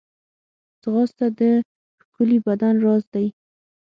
ځغاسته د ښکلي بدن راز دی